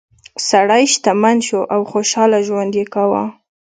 سړی شتمن شو او خوشحاله ژوند یې کاوه.